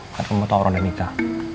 gak akan mau tau orang udah nikah